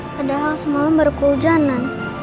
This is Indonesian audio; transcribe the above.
padahal semalam baru keujanan